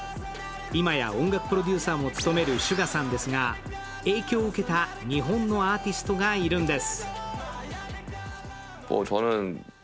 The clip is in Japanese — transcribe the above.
今や音楽プロデューワーも務めるＳＵＧＡさんですが影響を受けた日本のアーティストがいるんです。